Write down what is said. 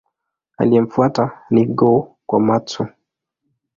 Aliyemfuata ni Go-Komatsu.